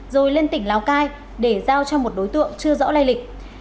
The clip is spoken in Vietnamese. rồi lên tỉnh lào cai để giao cho một đối tượng chưa rõ lây lịch